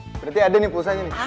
berarti ada nih pulsanya nih